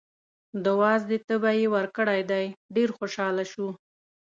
د وازدې تبی یې ورکړی دی، ډېر خوشحاله شو.